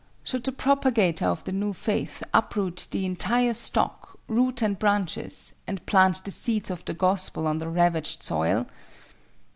Should the propagator of the new faith uproot the entire stock, root and branches, and plant the seeds of the Gospel on the ravaged soil?